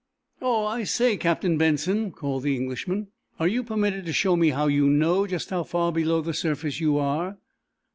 "Oh, I say, Captain Benson," called the Englishman, "are you permitted to show me how you know just how far below the surface you are?"